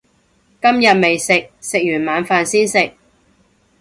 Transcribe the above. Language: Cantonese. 今日未食，食完晚飯先食